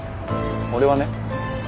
俺はね